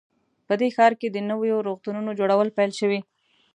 په دې ښار کې د نویو روغتونونو جوړول پیل شوي